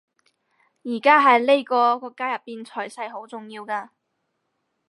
而家喺呢個國家入面財勢好重要㗎